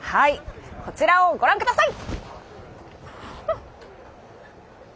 こちらをご覧ください。